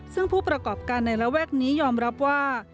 ซึ่งผู้ประกอบการในระแวกนี้ยอมรับว่า